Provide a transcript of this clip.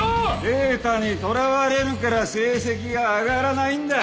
データにとらわれるから成績が上がらないんだ。